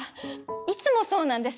いつもそうなんです。